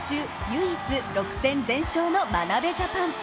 唯一６戦全勝の眞鍋ジャパン。